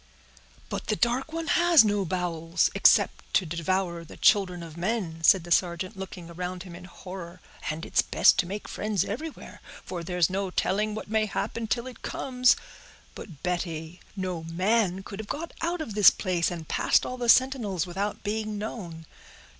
"But the dark one has no bowels, except to devour the children of men," said the sergeant, looking around him in horror; "and it's best to make friends everywhere, for there is no telling what may happen till it comes. But, Betty, no man could have got out of this place, and passed all the sentinels, without being known.